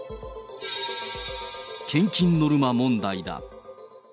献金ノルマ問題だ。